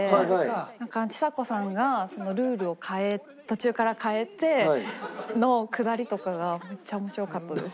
なんかちさ子さんがルールを変え途中から変えてのくだりとかがむっちゃ面白かったです。